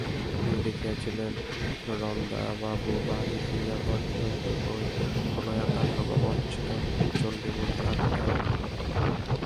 তিনি দেখিয়াছিলেন, রণদাবাবু বাড়ী ফিরিয়া পরদিন হইতেই ঐ প্রলয়তাণ্ডবোন্মত্ত চণ্ডীমূর্তি আঁকিতে আরম্ভ করেন।